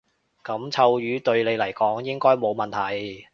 噉臭魚對你嚟講應該冇問題